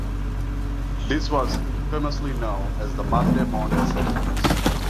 This was infamously known as ‘The Monday Morning Sessions’.